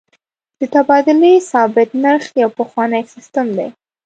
د تبادلې ثابت نرخ یو پخوانی سیستم دی.